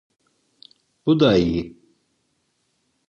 Bu da iyi.